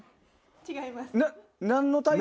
違います。